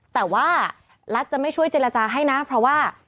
แต่ว่ารัฐจะไม่ช่วยเจรจาให้นะเพราะว่า